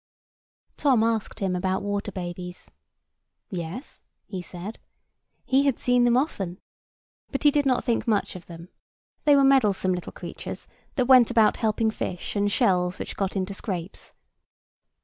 Tom asked him about water babies. "Yes," he said. He had seen them often. But he did not think much of them. They were meddlesome little creatures, that went about helping fish and shells which got into scrapes.